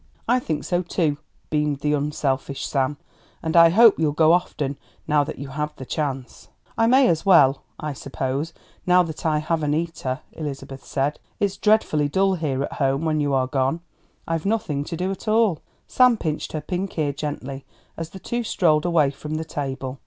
"I think so too," beamed the unselfish Sam, "and I hope you'll go often now that you have the chance." "I may as well, I suppose, now that I have Annita," Elizabeth said. "It's dreadfully dull here at home when you are gone. I've nothing to do at all." Sam pinched her pink ear gently as the two strolled away from the table.